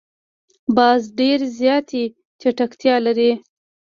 باز ډېر زیاتې چټکتیا لري